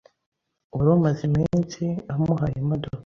wari umaze iminsi amuhaye imodoka.